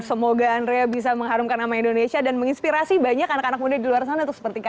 semoga andrea bisa mengharumkan nama indonesia dan menginspirasi banyak anak anak muda di luar sana untuk seperti kamu